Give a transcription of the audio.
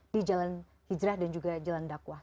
di jalan hijrah dan juga jalan dakwah